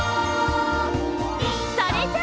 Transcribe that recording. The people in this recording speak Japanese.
それじゃあ。